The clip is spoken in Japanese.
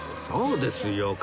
そうですよ。